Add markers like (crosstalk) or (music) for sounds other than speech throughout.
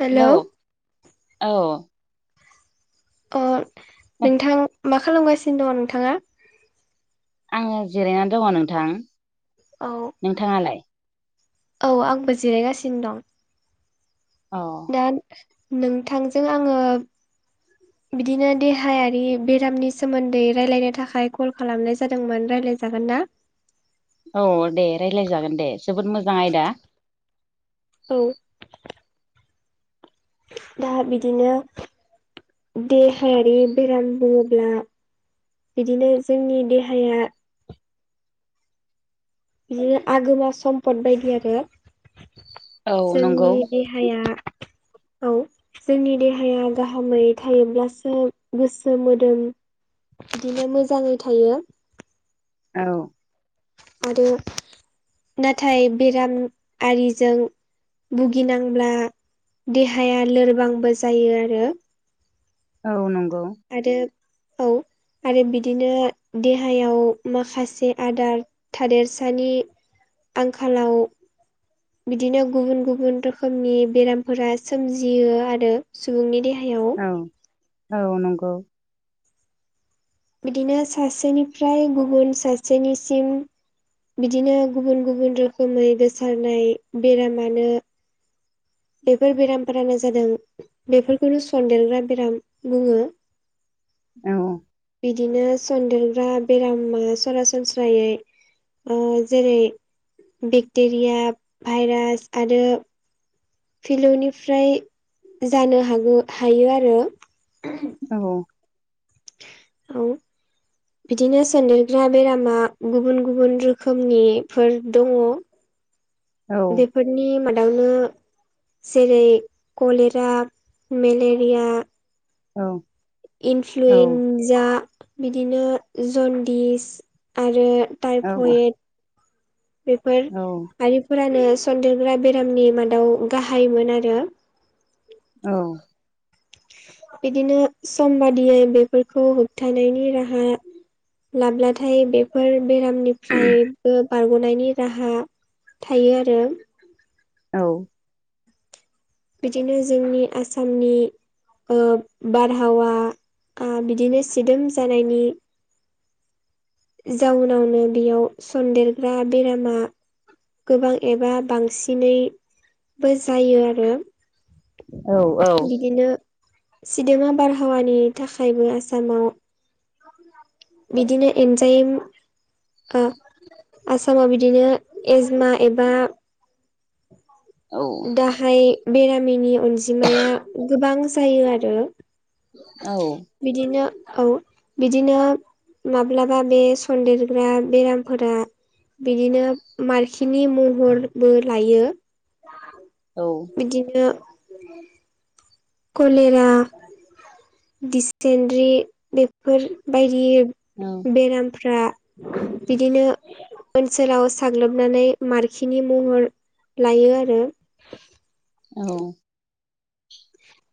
Hello अ नोंथां मा खालामगासिनो दङ नोंथाङा? आङो जिरायनानै दङ नोंथां। औ नोंथाङालाय औ आंबो जिरायगासिनो दं। अ दा नोंथांजों आङो बिदिनो देहायारि बेरामनि सोमोन्दै रायलायनो थाखाय कल खालामनाय जादोंमोन रायलाय जागोनना? (inaudible) औ दे रायलाय जागोन दे जोबोद मोजां आयदा। औ दा बिदिनो देहायारि बेराम बुङोब्ला बिदिनो जोंनि देहाया बिदिनो आगोमा सम्फद बायदि आरो औ नंगौ जोंनि दे हाया औ जोंनि देहाया गाहामै थायोब्लासो गोसो मोदोम बिदिनो मोजाङै थायो। औ आरो नाथाय बेरामिजों भुगिनांब्ला देहाया लोरबांबो जायो आरो। औ नंगौ। आरो औ आरो बिदिनो देहायाव माखासे आदार थादेरसानि आंखालाव बिदिनो गुबुन गुबुन रोखोमनि बेरामफोरा सोमजियो आरो सुबुंनि देहायाव। औ औ नंगौ बिदिनो सासेनिफ्राय गुबुन सासेनिसिम बिदिनो गुबुन गुबुन रोखोमै गोसारनाय बेरामानो बेफोर बेरामफोरानो जादों बेफोरखौनो सन्देरग्रा बेराम बुङो। औ बिदिनो सन्देरग्रा बेरामा सरासनस्रायै ओ जेरै बेक्टेरिया भाइरास आरो फिलौनिफ्राय जानो हागौ हायो आरो। औ औ बिदिनो सोनदेरग्रा बेरामा गुबुन गुबुन रोखोमनिफोर दङ। औ बेफोरनि मादावनो जेरै कलेरा मेलेरिया औ औ इनफ्लुइनजा बिदिनो जन्दिस आरो औ टाइफएट बेफोर आरिफोरानो सन्देरग्रा बेरामनि मादाव गाहायोमोन आरो। औ बिदिनो सम बादियै बेफोरखौ होबथानायनि राहा लाब्लाथाय बेफोर बेरामनि फ्रायबो बारग'नायनि राहा थायो आरो। औ बिदिनो जोंनि आसामनि बारहावा बिदिनो आ सिदोम जानायनि जाउनावनो बेयाव सन्देरग्रा बेरामा गोबां एबा बांसिनैबो जायो आरो। औ बिदिनो सिदोमा आबारहावानि थाखायबो आसामाव बिदिनो एन्जाइम ओ आसामाव बिदिनो एजमा एबा औ गाहाय बेरामिनि अनजिमाया गोबां जायो आरो। औ बिदिनो औ बिदिनो माब्लाबा बे सन्देरग्रा बेरामफोरा बिदिनो मारखिनि महरबो लायो। औ बिदिनो कलेरा दिसतेनरि बेफोरबायदि औ बेरामफ्रा बिदिनो ओनसोलाव साग्लोबनानै मारखिनि महर लायो आरो औ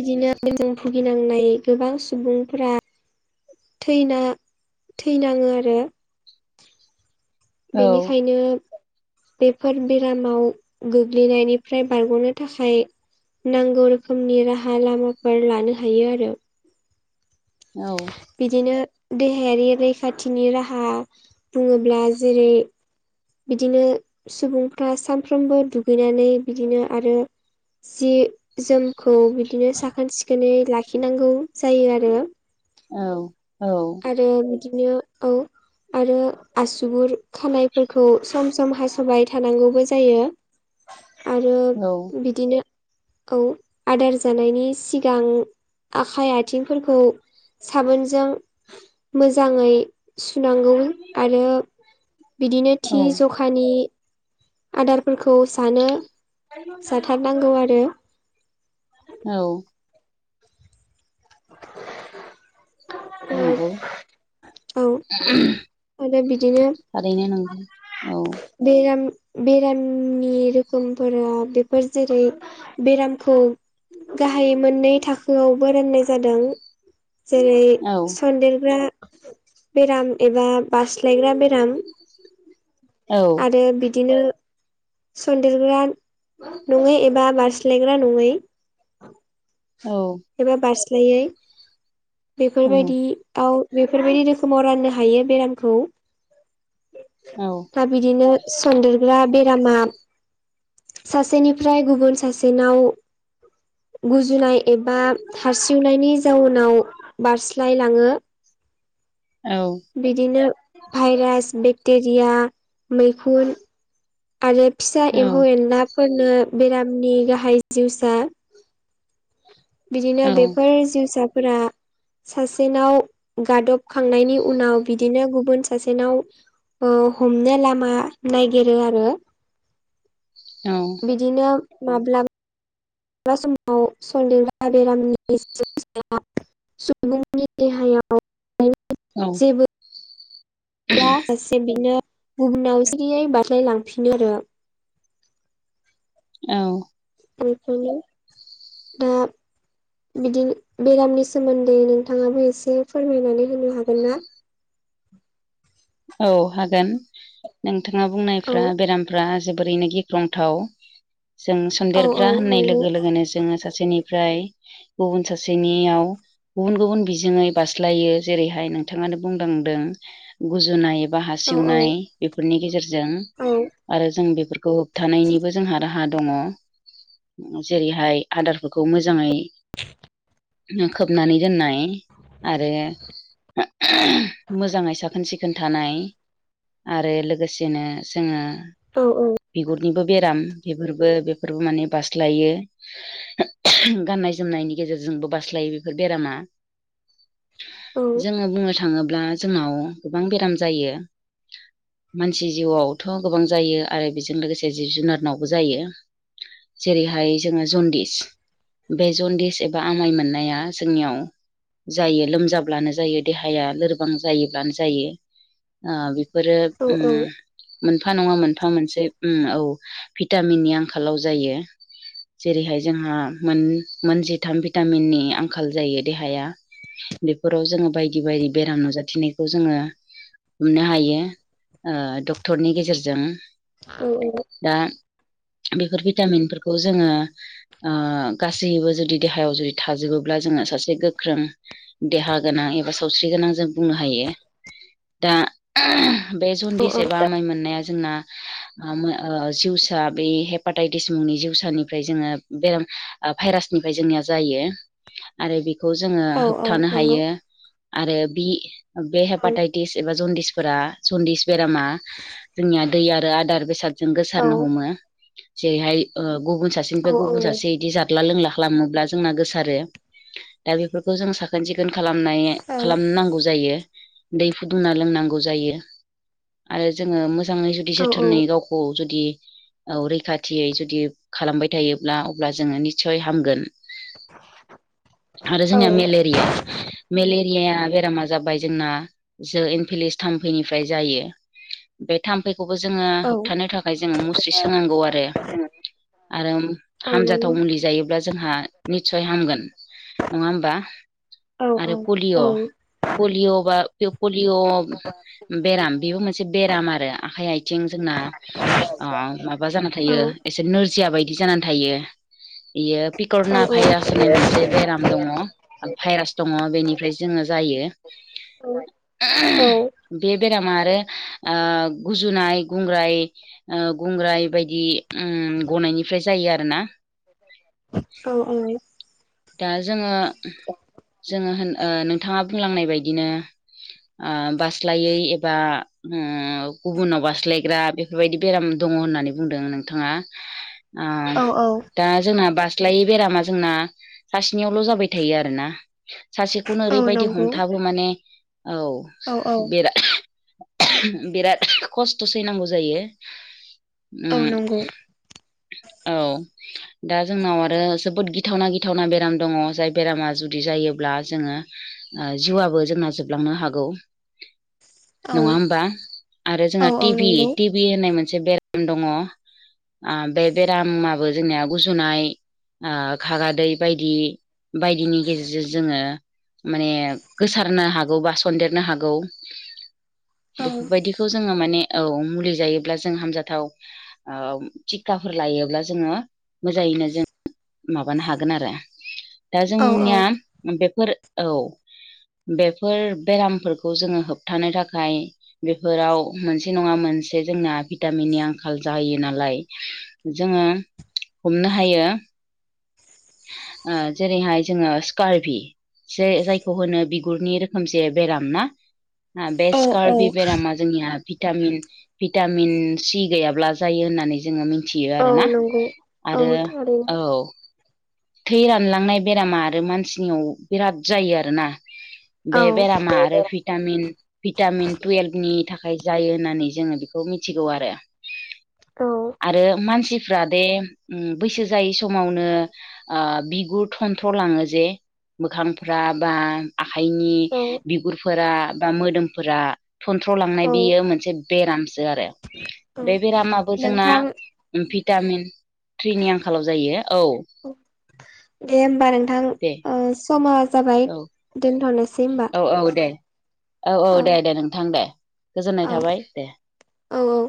बिदिनो दैजों भुगिनांनाय गोबां सुबुंफोरा (unintelligible) थैना थैनाङो आरो बेनिखायनो बेफोर बेरामाव गोग्लैनायनिफ्राय बारग'नो थाखाय नांगौ रोखोमनि राहा लामाफोर लानो हायो आरो औ बिदिनो देहायारि रैखाथिनि राहा बुङोब्ला जेरै बिदिनो सुबुंफ्रा सानफ्रोमबो दुगैनानै बिदिनो आरो जि जोमखौ बिदिनो साखोन सिखोनै लाखिनांगौ जायो आरो औ औ आरो बिदिनो औ आरो आसुगुर खानायफोरखौ सम सम हास'बाय थानांगौबो जायो आरो बिदिनो औ आदार जानायनि सिगां आखाइ आथिंफोरखौ साबोनजों मोजाङै सुनांगौ आरो बिदिनो थि जखानि आदारफोरखौ जानो जाथारनांगौ आरो औ नंगौ औ आरो बिदिनो थारैनो नांगौ औ बेराम बेरामनि रोखोमफोरा बेफोर जेरै बेरामखौ गाहाय मोननै थाखोआवबो राननाय जादों जेरै औ औ सन्देरग्रा बेराम एबा बास्लायग्रा बेराम औ आरो बिदिनो सन्देरग्रा नङै एबा बारस्लायग्रा नङै औ एबा बारस्लायै औ बेफोरबायदि आव बेफोरबायदि रोखोमाव राननो हायो बेरामखौ औ दा बिदिनो सन्देरग्रा बेरामा सासेनिफ्राय गुबुन सासेनाव गुजुनाय एबा हारसिवनायनि जाउनाव बारस्लायलाङो औ बिदिनो भाइरास बेक्टेरिया मैखुन आरो फिसा औ एम्फौ एनलाफोरनो बेरामनि गाहाय जिउसा औ बिदिनो बेफोर जिउसाफोरा सासेनाव गादबखांनायनि उनाव बिदिनो गुबुन सासेनाव हमनो लामा नागिर नो आरो बिदिनो माब्ला बा समाव सन्देग्रा बेरामनि जिउसाया सुबुंनि देहायाव औ (unintelligible) जेबो दा सासे बिदिनो गुबुननाव सिरियै बारस्लाय लांफिन आरो औ बेखिनि दा बिदि बेरामनि सोमोन्दै नोंथाङाबो एसे फोरमायनानै होनो हागोन ना औ हागोन नोंथाङा औ बुंनायफ्रा बेरामफ्रा जोबोरैनो गिख्रंथाव जों औ औ सनदेरग्रा होननाय नंगौ लोगो लोगोनो जोङो सासेनिफ्राय गुबुन सासेनियाव गुबुन गुबुन बिजोङै बास्लायो जेरैहाय नोंथाङानो बुंदांदों गुजुनाय बा हा औ सेवनाय बेफोरनि गेजेरजों औ आरो जों बेफोरखौ होबथानायनिबो जोंहा राहा दङ जेरैहाय आदारफोरखौ मोजाङै (unintelligible) खोबनानै दोननाय आरो मोजाङै साखि साखोन सिखोन थानाय आरो लोगोसेनो जोङो औ बिगुर निबो बेराम बेफोरबो बेफोरबो माने बास्लायो गाननाय जोमनायनि गेजेरजोंबो बास्लायो बेफोर बेरामा औ जोङो बुंनो थाङोब्ला जोंनाव गोबां बेराम जायो मानसि जिउआवथ' गोबां जायो आरो बेजों लोगोसे जिब जुनारनावबो जायो जेरैहाय जोङो जनदिस बे जनदिस एबा आमाइ मोननाया जोंनियाव जायो लोमजाब्लानो जायो देहाया लोरबां जायोब्लानो जायो ओ बेफोरो ओम मोनफा नङा मोनफा मोनसे औ भिटामिननि आंखालाव जायो जेरैहाय जोंहा मोन मोनजिथाम भिटामिननि आंखाल जायो देहाया बेफोराव जोङो बायदि बायदि बेराम नुजाथिनाय खौ जोङो हमनो हायो ओ डक्टरनि गेजेरजों औ औ दा बेफोर भिटामिनफोरखौ जोङो ऐ गासैबो जुदि देहायाव जुदि थाजोबोब्ला जोङो सासे गोख्रों देहा गोनां एबा सावस्रि गोनां जों बुंनो हायो दा बे औ जनदिस एबा आमाय मोननाया जोंना (inaudible) ओ जिउसा बे हेपाटाइटिस मुंनि जिउसानिफ्राय जोङो बेराम भाइरासनिफ्राय जोंनिया जायो आरो बेखौ जोङो औ नंगौ औ औ होबथानो नंगौ हायो आरो बि बे औ हेपाटाइटिस एबा जनदिसफोरा जनदिस बेरामा जोंनिया दै आरो आदार बेसादजों गोसारनो औ हमो जेरैहाय ओ गुबुन सासे औ बिनिफ्राय औ नंगौ औ गुबुन सासे बिदि जादला लोंला खालामोब्ला जोंना गोसारो दा बे खौ जों साखोन सिखोन खालामनाय खालाम नांगौ जायो दै फुदुंना लोंनांगौ जायो आरो जोङो मोजाङै जुदि जोथोनै गावखौ औ जुदि औ रैखाथियै जुदि खालामबाय थायोब्ला अब्ला जोङो निस्सय हामगोन आरो जोंनिया मेलेरिया मेलेरिय बेरामा जाबाय जोंना जो एनपिलिस थामफैनिफ्राय जायो बे थामफैखौबो जोङो औ होबथानो थाखाय जोङो मुस्रि सोनांगौ आरो आरो औ नंगौ हामजाथाव मुलि जायोब्ला जोंहा निस्सय हामगोन नङा होमबा औ औ औ पलिय' बा पलिय' बेराम बेबो मोनसे बेराम आरो आखाइ आथिं थिं जोंना ओ माबा जाना थायो एसे नोरजिया बायदि जानानै थायो बियो पिकरना भाइरास होननाय मोनसे बेराम दङ भाइरास दङ बेनिफ्राय जोङो जायो बे बे रामा आरो ओ गुजुनाय गुंग्राय ओ गुग्राय बायदि गनायनिफ्राय जायो आरोना औ औ दा जोङो जोङो होन नोंथाङा बुंलांनाय बायदिनो आ बास्लायै एबा गुबुनाव बास्लायग्रा बे फोरबायदि बेराम दङ होननानै बुंदों नोंथाङा ओ औ औ दा जोंना बास्लायै बेरामा जोंना सासेनियावल' जाबाय थायो आरोना सासे खौनो ओरैबायदि हमथाबो माने औ बेरा बिराद खस्थ' सैनांगौ जायो (unintelligible) औ दा जोंनाव आरो जोबोद गिथावना गिथावना बे बेराम दङ जाय बेरामा जुदि जायोब्ला जोङो ओ जिउआबो जोंना जोबलांनो हागौ नङा होमबा आरो जोंहा टि भि टि भि होननाय मोनसे बेराम दङ आ बे बेरामाबो जोंनिया गुजुनाय हागादै बायदि बायदिनि गेजेरजों जोङो माने गोसारनो हागौ बा सन्देरनो हागौ बेफोरबायदि खौ जोङो माने औ मुलि जायोब्ला जों हामजाथाव ओ टिकखाफोर लायोब्ला जोङो मोजाङैनो जों माबानो हा गोन आरो दा जोंनिया बेफोर औ बेफोर बेरामफोरखौ जोङो होबथानो थाखाय बेफोराव मोनसे नङा मोनसे जोंना भिटामिननि आंखाल जायो नालाय जोङो हमनो हायो ओ जेरैहाय जोङो स्कारभि जे जायखौ होनो बिगुरनि रोखोमसे बेराम ना बे स्कारभि बेरामा जोंनिया भिटामिन भिटामिन सि गैयाब्ला जायो होननानै जोङो मि नथियो आरोना नंगौ औ आरो थारैनो औ थै रानलांनाय बेरामा आरो मानसिनियाव बिराद जायो आरोना औ बे बेरामा आरो भिटामिन भिटामिन टुयेल्भनि थाखाय जायो होननानै जोङो बेखौ मिथिगौ आरो आरो मानसिफ्रा दे बैसो जायै समावनो बिगुर थन्थ्र' लाङो जे मोखांफ्रा बा आखाइनि औ औ बिगुरफोरा बा मोदोमफोरा थनथ्र'लांनाय औ बियो मोनसे बेरामसो आरो औ बे बेरामाबो जोंना नोंथां भिटामिन थ्रिनि आंखालाव जायो औ दे होमबा नोंथां दे ओ समा जाबाय दोनथ'नोसै होमबा औ-औ दे औ-औ औ दे-दे नोंथां दे गोजोननाय थाबाय दे औ औ